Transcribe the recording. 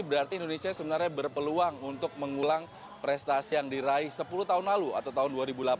berarti indonesia sebenarnya berpeluang untuk mengulang prestasi yang diraih sepuluh tahun lalu atau tahun dua ribu delapan belas